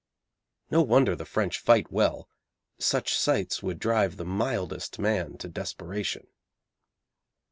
No wonder the French fight well. Such sights would drive the mildest man to desperation.